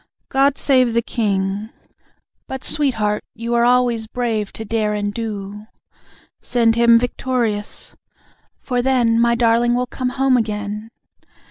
GOD SAVE THE KING. (But, sweetheart, you Were always brave to dare and do.) SEND HIM VICTORIOUS. (For then, My darling will come home again!)